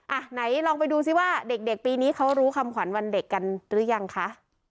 อ่ะไหนลองไปดูซิว่าเด็กปีนี้เขารู้คำขวัญวันเด็กกันหรือยังคะ